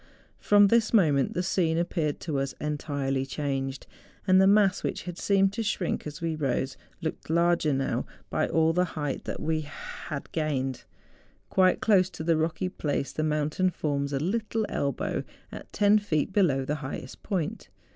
From this moment the scene appeared to us entirely changed, and the mass which had seemed to shrink as we rose, looked larger now by all the height we had gained. Quite close to the rocky place the mountain forms a little elbow at ten feet below the highest point.